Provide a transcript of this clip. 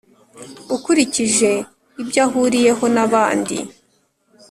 ukurikije ibyo ahuriyeho nabandi